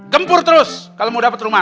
gempur terus kalau mau dapet rumana